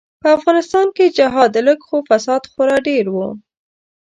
به افغانستان کی جهاد لږ خو فساد خورا ډیر وو.